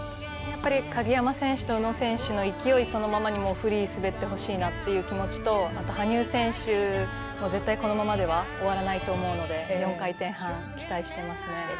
やっぱり鍵山選手と宇野選手の勢いそのままにフリー滑ってほしいなという気持ちとあと羽生選手も絶対このままでは終わらないと思うので４回転半、期待していますね。